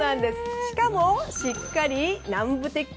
しかも、しっかり南部鉄器